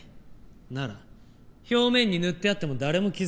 なら表面に塗ってあっても誰も気づかない。